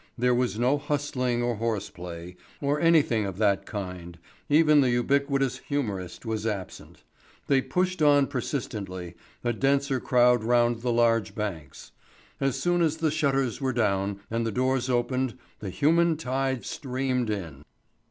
There was no hustling or horse play, or anything of that kind; even the ubiquitous humourist was absent. They pushed on persistently, a denser crowd round the large banks. As soon as the shutters were down and the doors opened the human tide streamed in.